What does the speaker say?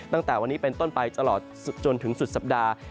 ตั้งแต่วันนี้เป็นต้นไปตลอดจนถึงสุดสัปดาห์